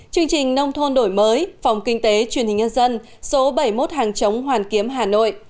chương trình nông thôn đổi mới phòng kinh tế truyền hình nhân dân số bảy mươi một hàng chống hoàn kiếm hà nội